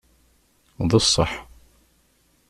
D ṣṣeḥ.